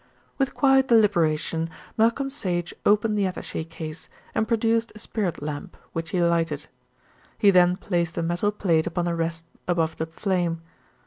With quiet deliberation Malcolm Sage opened the attaché case and produced a spirit lamp, which he lighted. He then placed a metal plate upon a rest above the flame.